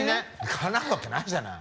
かなうわけないじゃない。